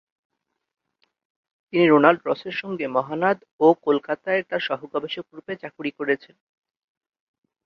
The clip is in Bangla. তিনি রোনাল্ড রসের সঙ্গে মহানাদ ও কলকাতায় তার সহগবেষকরূপে চাকুরি করেছেন।